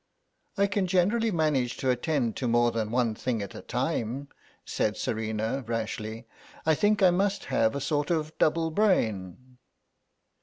"I can generally manage to attend to more than one thing at a time," said Serena, rashly; "I think I must have a sort of double brain."